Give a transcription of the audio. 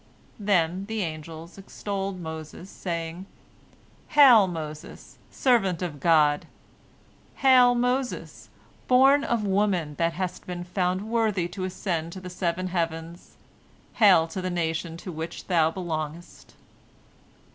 Then the angels extolled Moses, saying: "Hail, Moses, servant of God! Hail, Moses, born of woman, that hast been found worthy to ascend to the seven heavens! Hail to the nation to which thou belongest!"